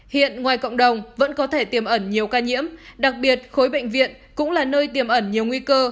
hiện ngoài cộng đồng vẫn có thể tiềm ẩn nhiều ca nhiễm đặc biệt khối bệnh viện cũng là nơi tiềm ẩn nhiều nguy cơ